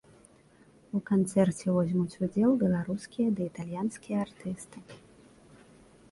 У канцэрце возьмуць удзел беларускія ды італьянскія артысты.